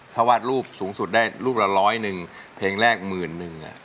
ถ้าวาดรูปสูงสุดได้รูปละร้อยหนึ่งเพลงแรกหมื่นนึง